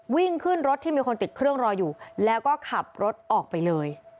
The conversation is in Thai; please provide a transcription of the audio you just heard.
วิ่งขึ้นรถที่มีคนติดเครื่องรออยู่แล้วก็ขับรถออกไปเลย